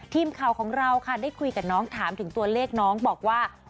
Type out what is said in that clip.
ทีมข่าวของเราค่ะได้คุยกับน้องถามถึงตัวเลขน้องบอกว่า